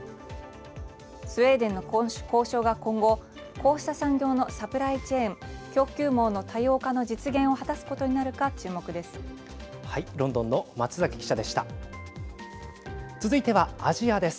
スウェーデンの鉱床が今後こうした産業のサプライチェーン＝供給網の多様化の実現を果たすことになるか注目です。